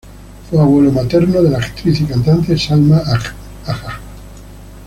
Fue abuelo materno de la actriz y cantante Salma Agha.